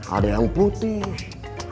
ada yang putih